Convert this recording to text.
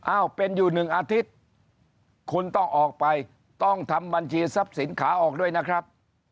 เป็นอยู่๑อาทิตย์คุณต้องออกไปต้องทำบัญชีทรัพย์สินขาออกด้วยนะครับ